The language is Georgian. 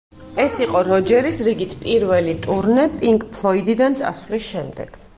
ეს იყო როჯერის რიგით პირველი ტურნე პინკ ფლოიდიდან წასვლის შემდეგ.